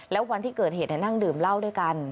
แล้ววันที่เกิดเหตุนั่งดื่มเหล้าด้วยกัน